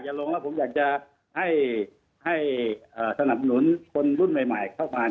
ให้สนับหนุนลุมใหม่เข้ามาให้สนับหนุนมดนใหม่เข้ามา